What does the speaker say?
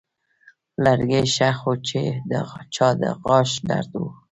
لرګی ښخ و چې د چا غاښ درد و.